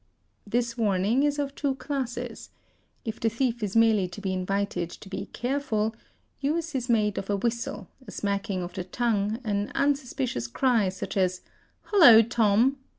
| This warning is of two classes: if the thief is merely to be invi ted to be careful, use is made of a whistle, a smacking of the tongue, an unsuspicious cry, such as: "Hullo Tom!"